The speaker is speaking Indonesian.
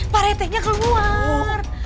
pak retenya keluar